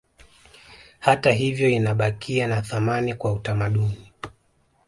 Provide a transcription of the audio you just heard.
Hata hivyo inabakia na thamani kwa utamaduni